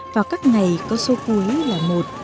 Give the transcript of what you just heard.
và các ngày có số cuối là một bốn sáu chín